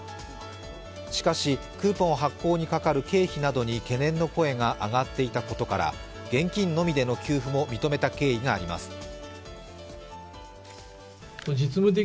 しかし、クーポン発行にかかる経費などに懸念の声が上がっていたことから現金のみでの給付も認めた経緯があります。